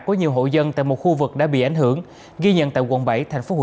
của nhiều hộ dân tại một khu vực đã bị ảnh hưởng ghi nhận tại quận bảy tp hcm